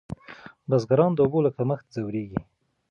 بزګران د اوبو له کمښت ځوریږي.